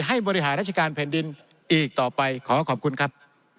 บริหารราชการแผ่นดินอีกต่อไปขอขอบคุณครับ